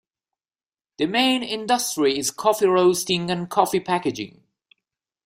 The main industry is coffee roasting and coffee packaging.